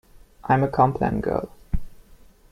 I'm a Complan Girl!